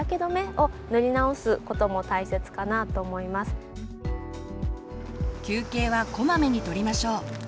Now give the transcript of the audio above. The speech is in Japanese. そして休憩はこまめにとりましょう。